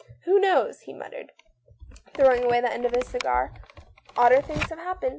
" Who knows ?" he muttered, throwing away the end of. his cigar ;" odder things have happened."